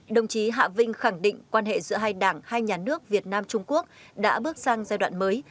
đồng chí hạ vinh khẳng định quan hệ giữa hai đảng hai nhà nước việt nam trung quốc đã bước sang giai đoạn mới